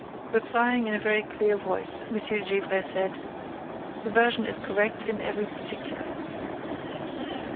Replying in a very clear voice, M. de Gesvres said: "The version is correct in every particular."